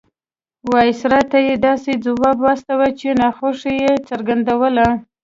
وایسرا ته یې داسې ځواب واستاوه چې ناخوښي یې څرګندېدله.